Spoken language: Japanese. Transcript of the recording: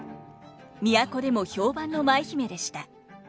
都でも評判の舞姫でした。